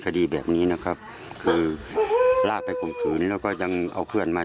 คดีแบบนี้นะครับคือลากไปข่มขู่นี้แล้วก็ยังเอาเพื่อนมา